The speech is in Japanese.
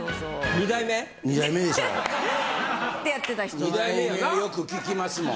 ２代目はよく聞きますもん。